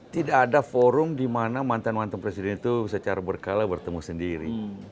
tidak ada forum di mana mantan mantan presiden itu secara berkala bertemu sendiri